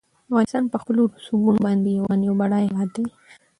افغانستان په خپلو رسوبونو باندې یو غني او بډای هېواد دی.